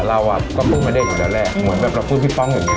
เราก็พึ่งมาเด็กหน่อยแล้วแหละเหมือนแบบเราพึ่งพี่ป้องอย่างเงี้ย